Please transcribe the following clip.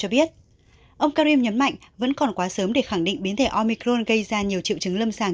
cho biết ông karim nhấn mạnh vẫn còn quá sớm để khẳng định biến thể omicron gây ra nhiều triệu chứng lâm sàng